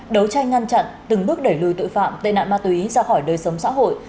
đấu tranh ngăn chặn từng bước đẩy lùi tội phạm tệ nạn ma túy ra khỏi đời sống xã hội